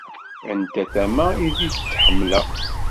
Anta tama ideg d-hemmleɣ.